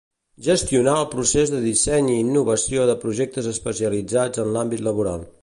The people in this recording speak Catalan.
Gestionar el procés de disseny i innovació de projectes especialitzats en l'àmbit laboral.